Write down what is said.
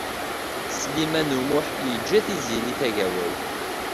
Sliman U Muḥ yeǧǧa Tiziri Tagawawt.